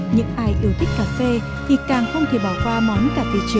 những ai yêu thích cà phê thì càng không thể bỏ qua món cà phê trứng loại thức uống nổi tiếng ở thủ đô